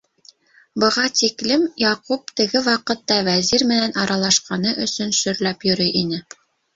Быға тиклем Яҡуп теге ваҡытта Вәзир менән аралашҡаны өсөн шөрләп йөрөй ине.